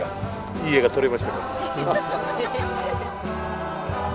いい絵が撮れましたか。